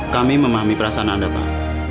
kami memahami perasaan anda pak